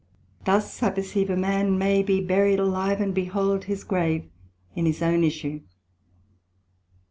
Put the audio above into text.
Thus I perceive a man may be buried alive, and behold his grave in his own issue.